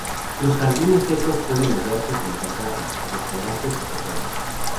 Los jardines secos pueden hallarse junto a casas, restaurantes y posadas.